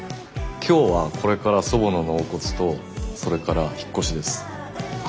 今日はこれから祖母の納骨とそれから引っ越しです。